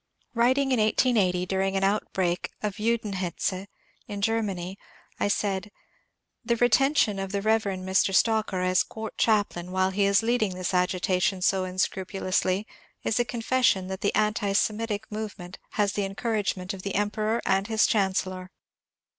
Writing in 1880, during an outbreak of Judenhetze in Germany, I said :The retention of the Rev. Mr. Stocker as court chaplain, while he is leading this agitation so unscrupulously, is a con fession that the anti Semitic movement has the encouragement of the Emperor and his Chancellor."